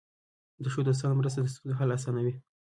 د ښو دوستانو مرسته د ستونزو حل اسانوي.